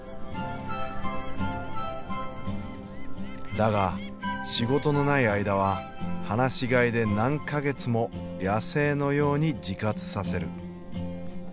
だが仕事のない間は放し飼いで何か月も野生のように自活させる。